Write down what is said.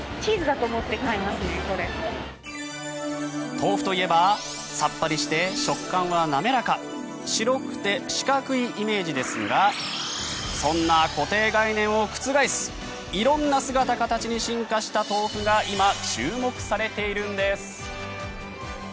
豆腐といえばさっぱりして食感は滑らか白くて四角いイメージですがそんな固定概念を覆す色んな姿かたちに進化した豆腐が今注目されているんです。